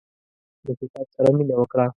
له کتاب سره مينه وکړه.